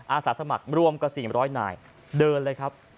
อาสาสมัครรวมกว่า๔๐๐นายเดินเลยครับ